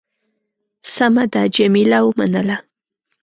سمه ده. جميله ومنله.